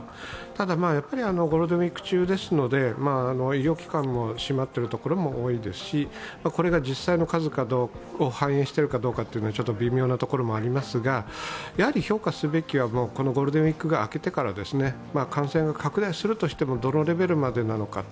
ただ、ゴールデンウイーク中ですので、医療機関も閉まっている所も多いですしこれが実際の数を反映しているかどうかというのはちょっと微妙なところもありますが、評価すべきはこのゴールデンウイークが明けてから感染が拡大するとしても、どのレベルまでなのか。